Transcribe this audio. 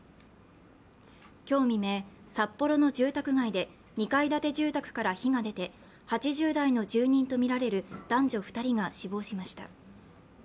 今日未明、札幌の住宅街で２階建て住宅から火が出て、８０代の住人とみられる男女２人が死亡しました。